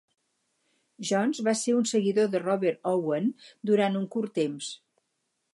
Jones va ser un seguidor de Robert Owen durant un curt temps.